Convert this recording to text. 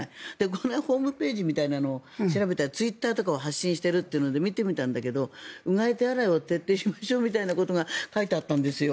これ、ホームページみたいなのを調べたら、ツイッターとかを発信しているというので見てみたんだけどうがい、手洗いを徹底しましょうみたいなことが書いてあったんですよ。